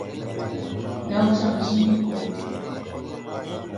Ɗaw jag jílì mbɔ.